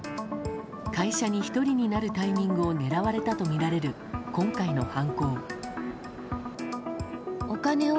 会社に１人になるタイミングを狙われたとみられる今回の犯行。